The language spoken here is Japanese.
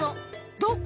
どこ？